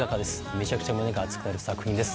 めちゃくちゃ胸が熱くなる作品です。